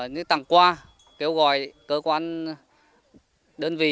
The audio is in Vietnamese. những tặng quà kêu gọi cơ quan đơn vị